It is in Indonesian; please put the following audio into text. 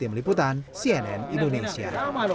tim liputan cnn indonesia